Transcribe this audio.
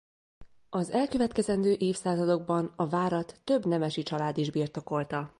Az elkövetkezendő évszázadokban a várat több nemesi család is birtokolta.